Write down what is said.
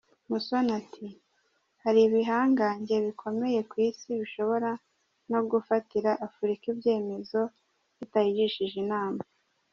Musoni ati “ Hari ibihangange bikomeye ku Isi bishobora no gufatira Afurika ibyemezo bitayigishije inama.